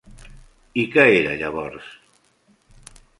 I què era, llavors?